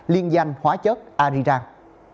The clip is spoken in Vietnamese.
liên doanh hóa chất arirang